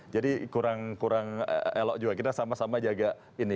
jadi kurang elok juga kita sama sama jaga ini